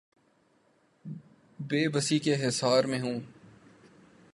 بے بسی کے حصار میں ہوں۔